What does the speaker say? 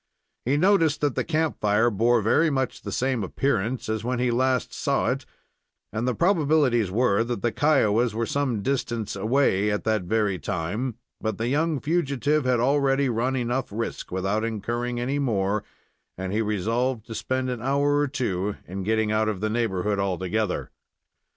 He noticed that the camp fire bore very much the same appearance as when he last saw it, and the probabilities were that the Kiowas were some distance away at that very time; but the young fugitive had already run enough risk, without incurring any more, and he resolved to spend an hour or two in getting out of the neighborhood altogether.